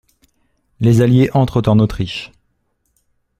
Les Alliés entrent en Autriche.